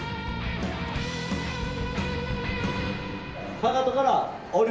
かかとから下ります。